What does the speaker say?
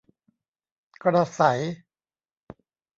กระษัย